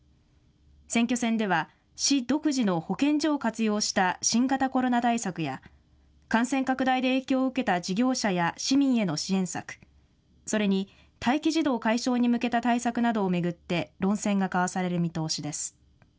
選挙戦では市独自の保健所を活用した新型コロナ対策や感染拡大で影響を受けた事業者や市民への支援策、それに、待機児童解消に向けた対策などを巡って論戦が交わされる見通しです。